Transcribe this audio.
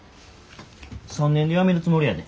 ３年で辞めるつもりやで。